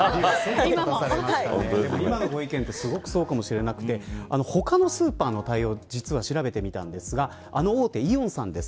今のご意見ってすごくそうかもしれなくて他のスーパーの対応を実は調べてみたんですがあの大手、イオンさんです。